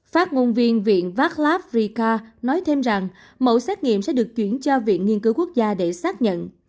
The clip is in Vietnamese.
phát ngôn viên viện barlav rica nói thêm rằng mẫu xét nghiệm sẽ được chuyển cho viện nghiên cứu quốc gia để xác nhận